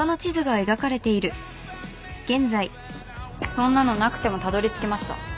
そんなのなくてもたどりつけました。